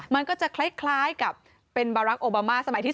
มันก็จะคล้ายกับเป็นบารักษ์โอบามาสมัยที่๓